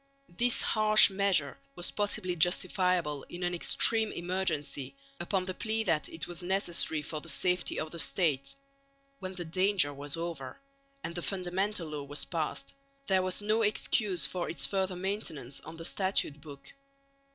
This harsh measure was possibly justifiable in an extreme emergency upon the plea that it was necessary for the safety of the State. When the danger was over, and the Fundamental Law was passed, there was no excuse for its further maintenance on the Statute book.